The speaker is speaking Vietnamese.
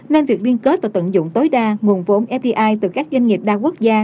nên việc liên kết và tận dụng tối đa nguồn vốn fdi từ các doanh nghiệp đa quốc gia